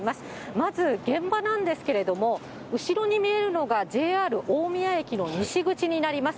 まず、現場なんですけれども、後ろに見えるのが、ＪＲ大宮駅の西口になります。